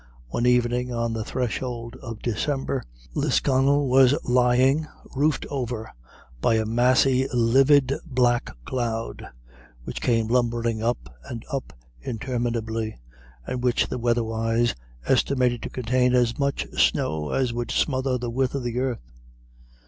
One evening on the threshold of December, Lisconnel was lying roofed over by a massy livid black cloud, which came lumbering up and up interminably, and which the weatherwise estimated to contain as much snow as would smother the width of the world.